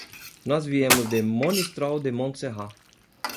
Nós viemos de Monistrol de Montserrat.